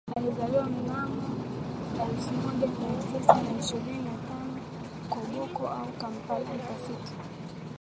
alizaliwa mnamo elfu moja Mia Tisa na ishirini na tano Koboko au Kampala Mtafiti